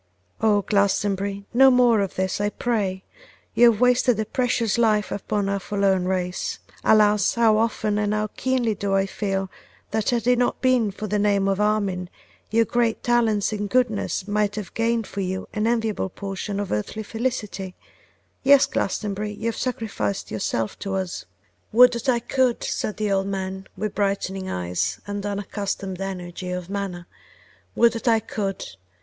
'O! Glastonbury, no more of this I pray; you have wasted a precious life upon our forlorn race. Alas! how often and how keenly do I feel, that had it not been for the name of Armine your great talents and goodness might have gained for you an enviable portion of earthly felicity; yes, Glastonbury, you have sacrificed yourself to us.' 'Would that I could!' said the old man, with brightening eyes and an unaccustomed energy of manner. 'Would that I could!